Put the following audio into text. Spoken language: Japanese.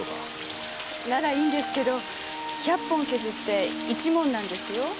ならいいんですけど百本削って一文なんですよ。